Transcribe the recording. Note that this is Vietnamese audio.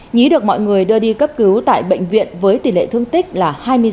nhí được mọi người đưa đi cấp cứu tại bệnh viện với tỷ lệ thương tích là hai mươi sáu